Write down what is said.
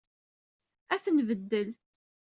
Ad t-nbeddel.